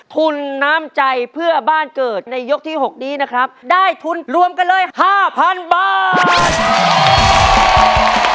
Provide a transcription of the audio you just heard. ทุนน้ำใจเพื่อบ้านเกิดในยกที่๖นี้นะครับได้ทุนรวมกันเลยห้าพันบาท